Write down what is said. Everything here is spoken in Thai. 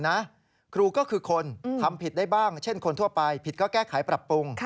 แล้วก็อยากให้เรื่องนี้จบไปเพราะว่ามันกระทบกระเทือนทั้งจิตใจของคุณครู